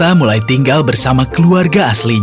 oh putri kesayangan